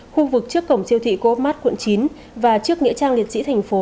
khu vực trước cổng siêu thị cô mát quận chín và trước nghĩa trang liệt sĩ thành phố